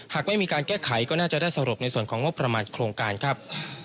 หากไม่มีการแก้ไขก็น่าจะได้สรุปในส่วนของงบประมาณโครงการครับ